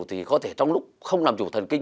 thì có thể trong lúc không làm chủ thần kinh